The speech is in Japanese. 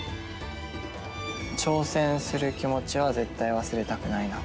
挑戦する気持ちは絶対忘れたくないな。